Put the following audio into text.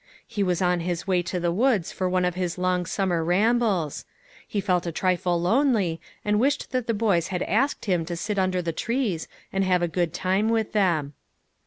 He was on his way to the woods for one of his long summer rambles. He felt a trifle lonely, and wished that the boys had asked him to sit down under the trees and have a good time with them.